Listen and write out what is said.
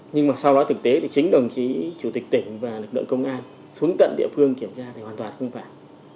nhưng mà sau đó thực tế thì chính đồng chí chủ tịch tỉnh và lực lượng công an xuống tận địa phương kiểm tra thì hoàn toàn không phải